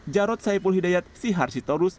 jarod saipul hidayat si harsitorus